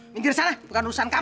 minggir salah bukan urusan kamu